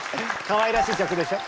かわいらしい曲でしょ？